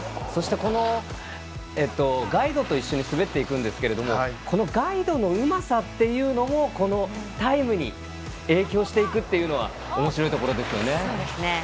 そして、ガイドと一緒に滑っていくんですけどこのガイドのうまさもタイムに影響していくのはおもしろいところですよね。